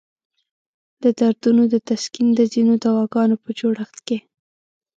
د دردونو د تسکین د ځینو دواګانو په جوړښت کې.